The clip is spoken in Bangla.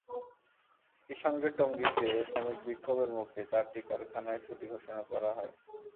একই সঙ্গে টঙ্গীতে শ্রমিক বিক্ষোভের মুখে চারটি কারখানায় ছুটি ঘোষণা করা হয়।